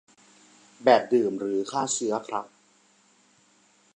แบบดื่มหรือฆ่าเชื้อครับ